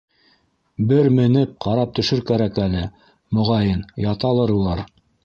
Бер менеп ҡарап төшөр кәрәк әле, моғайын, яталыр улар.